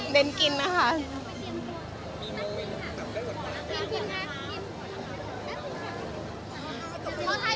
เด้นกินน่ะค่ะ